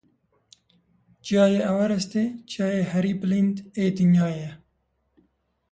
Çiyayê Everestê, çiyayê herî bilind ê dinyayê ye.